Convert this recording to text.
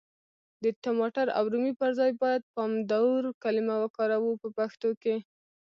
د ټماټر او رومي پر ځای بايد پامدور کلمه وکاروو په پښتو کي.